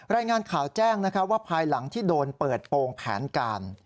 รายงานข่าวแจ้งว่าภายหลังที่โดนเปิดโปรงแผนการ